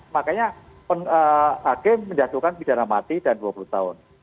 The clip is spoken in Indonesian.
makanya hakim menjatuhkan pidana mati dan dua puluh tahun